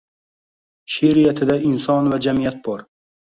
She’riyatida inson va jamiyat bor.